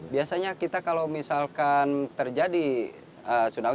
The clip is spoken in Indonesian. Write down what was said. biasanya kita kalau misalkan terjadi tsunami